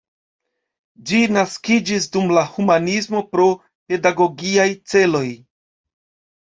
Ĝi naskiĝis dum la humanismo pro pedagogiaj celoj.